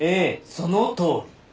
そのとおり。